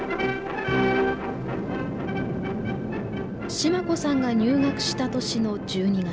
シマ子さんが入学した年の１２月。